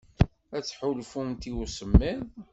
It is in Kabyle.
Ad tḥulfumt i usemmiḍ.